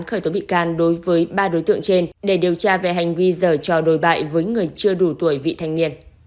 khởi tố bị can đối với ba đối tượng trên để điều tra về hành vi dở cho đối bại với người chưa đủ tuổi vị thanh niên